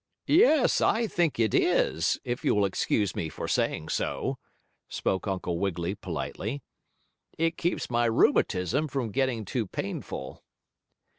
"Yes, I think it is, if you will excuse me for saying so," spoke Uncle Wiggily politely. "It keeps my rheumatism from getting too painful."